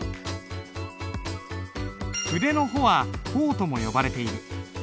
筆の穂は鋒とも呼ばれている。